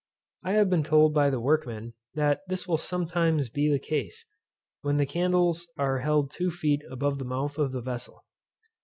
I have been told by the workmen, that this will sometimes be the case, when the candles are held two feet above the mouth of the vessel.